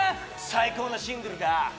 最高なシングルが。